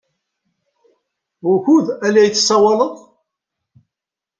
Wukud ay la tessawaleḍ?